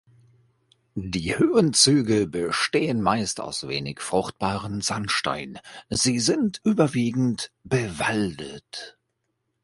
Die Höhenzüge bestehen meist aus wenig fruchtbarem Sandstein, sie sind überwiegend bewaldet.